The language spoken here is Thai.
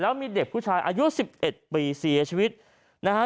แล้วมีเด็กผู้ชายอายุสิบเอ็ดปีเสียชีวิตนะฮะ